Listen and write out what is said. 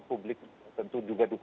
publik tentu juga